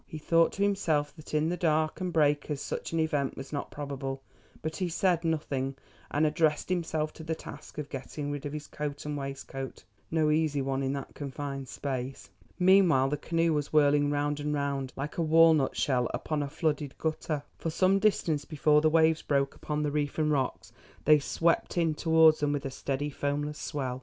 He thought to himself that in the dark and breakers such an event was not probable, but he said nothing, and addressed himself to the task of getting rid of his coat and waistcoat—no easy one in that confined space. Meanwhile the canoe was whirling round and round like a walnut shell upon a flooded gutter. For some distance before the waves broke upon the reef and rocks they swept in towards them with a steady foamless swell.